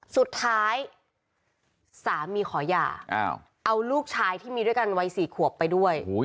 สุดท้ายสามีขอหย่าเอาลูกชายที่มีด้วยกันวัย๔ขวบไปด้วย